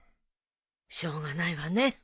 しょうがないわね。